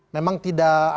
memang tidak ada